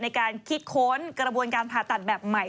ในการคิดค้นกระบวนการผ่าตัดแบบใหม่